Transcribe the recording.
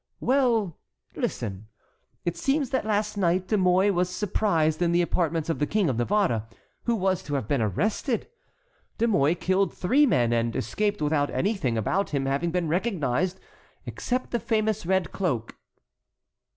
"Well, listen. It seems that last night De Mouy was surprised in the apartments of the King of Navarre, who was to have been arrested. De Mouy killed three men, and escaped without anything about him having been recognized except the famous red cloak."